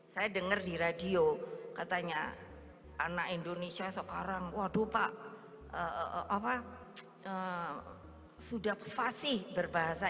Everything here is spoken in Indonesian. saya dengar di radio katanya anak indonesia sekarang waduh pak apa sudah fasih berbahasa